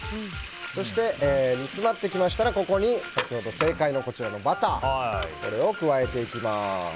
そして、煮詰まってきましたらここに先ほど正解のバターを加えていきます。